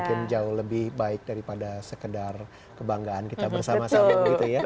mungkin jauh lebih baik daripada sekedar kebanggaan kita bersama sama begitu ya